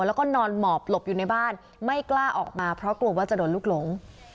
แล้วก็นอนหมอบหลบอยู่ในบ้านไม่กล้าออกมาเพราะกลัวว่าจะโดนลูกหลง